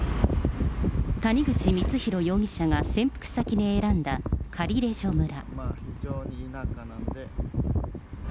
谷口光弘容疑者が潜伏先に選んだカリレジョ村。